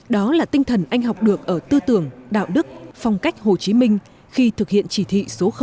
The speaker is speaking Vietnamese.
đó là tinh thần anh học được ở tư tưởng đạo đức phong cách hồ chí minh khi thực hiện chỉ thị số năm